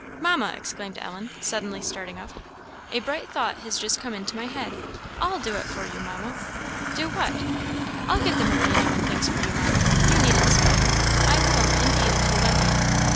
"Mamma!" exclaimed Ellen, suddenly starting up, "a bright thought has just come into my head! I'll do it for you, Mamma!" "Do what?" "I'll get the merino and things for you, Mamma. You needn't smile I will, indeed, if you let me."